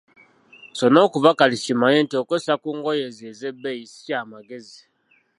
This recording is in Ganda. So n‘okuva kaakati kimanye nti okwessa ku ngoye ezo ezebbeeyi si kya magezi.